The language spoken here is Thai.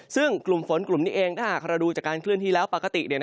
ซึ่งกลุ่มฝนกลุ่มนี้เองถ้าหากเราดูจากการเคลื่อนที่แล้วปกติ